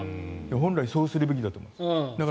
本来そうするべきだと思います。